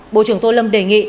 bộ trưởng tô lâm đề nghị